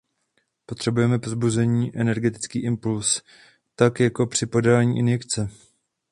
Potřebujeme povzbuzení, energetický impuls, tak jako při podání injekce.